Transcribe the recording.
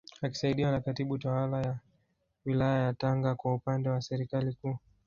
Akisaidiwa na Katibu Tawala wa Wilaya ya Tanga kwa upande wa Serikali Kuu